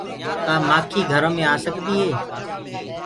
ڪآ مآکي گھرو مي آ سڪدي هي۔